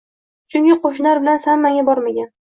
Chunki qo‘shnilar bilan san-manga bormagan.